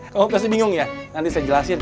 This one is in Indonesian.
kamu pasti bingung ya nanti saya jelasin